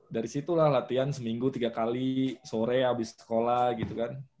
dari situlah latihan seminggu tiga kali sore habis sekolah gitu kan